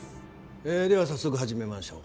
えでは早速始めましょう。